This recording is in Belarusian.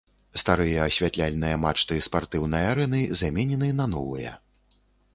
Старыя асвятляльныя мачты спартыўнай арэны заменены на новыя.